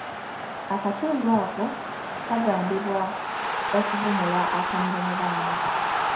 Akatundu ako kagambibwa okuvumula akamiro mu baana.